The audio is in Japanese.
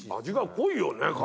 味が濃いよね